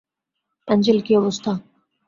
Angel, কী অবস্থা?